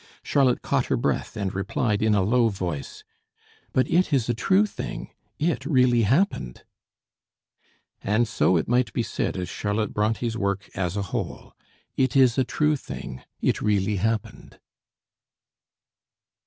Charlotte caught her breath and replied in a low voice: "But it is a true thing; it really happened." And so it might be said of Charlotte Bronté's work as a whole: "It is a true thing; it really happened."